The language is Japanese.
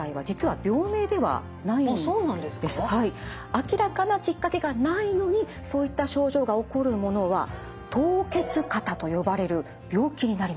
明らかなきっかけがないのにそういった症状が起こるものは凍結肩と呼ばれる病気になります。